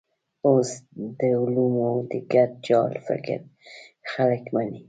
اوس د علومو د ګډ جال فکر خلک مني.